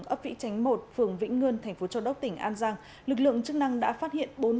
ấp vĩ chánh một phường vĩnh ngươn thành phố châu đốc tỉnh an giang lực lượng chức năng đã phát hiện